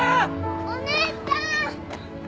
お姉ちゃん。